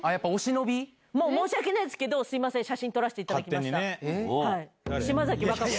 申し訳ないですけど写真撮らせていただきました。